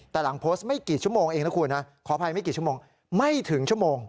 แต่หลังโพสต์ไม่กี่ชั่วโมงเองนะคุณนะขออภัยไม่กี่ชั่วโมงไม่ถึงชั่วโมง